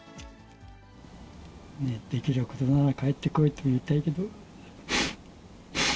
できることなら、帰ってこいと言いたいけど。